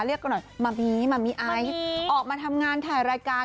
เรียกกันหน่อยมามีมามีไอออกมาทำงานถ่ายรายการ